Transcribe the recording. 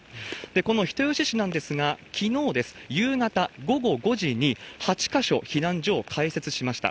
この人吉市なんですが、きのうです、夕方午後５時に８か所、避難所を開設しました。